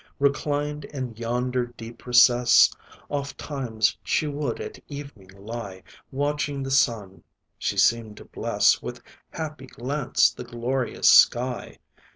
Reclined in yonder deep recess, Ofttimes she would, at evening, lie Watching the sun; she seemed to bless With happy glance the glorious sky.